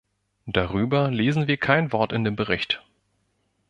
Darüber lesen wir kein Wort in dem Bericht.